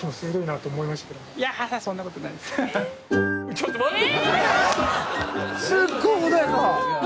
ちょっと待って！